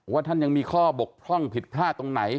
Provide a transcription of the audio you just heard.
ท่านยังมีข้อบกพร่องผิดพลาดตรงไหน